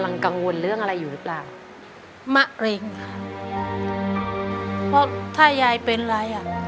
ไอ้แดงกำลังกังวลเรื่องอะไรอยู่หรือเปล่ามะริงค่ะเพราะถ้ายายเป็นไรอ่ะ